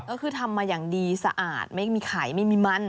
ก็คือทำมาอย่างดีสะอาดไม่มีไขไม่มีมัน